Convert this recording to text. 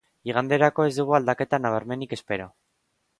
Iganderako ez dugu aldaketa nabarmenik espero.